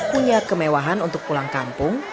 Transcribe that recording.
punya kemewahan untuk pulang kampung